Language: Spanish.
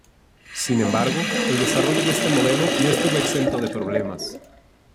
Sin embargo, el desarrollo de este modelo no estuvo exento de problemas.